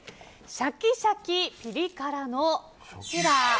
シャキシャキぴり辛のこちら。